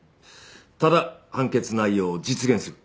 ただ判決内容を実現する。